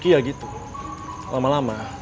kamu mau pergi